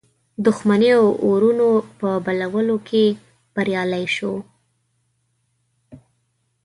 دښمنیو اورونو په بلولو کې بریالی سو.